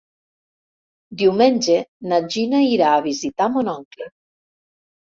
Diumenge na Gina irà a visitar mon oncle.